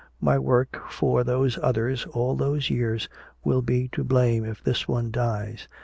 "My work for those others, all those years, will be to blame if this one dies!